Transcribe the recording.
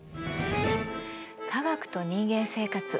「科学と人間生活」